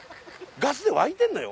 スで沸いてんのよ？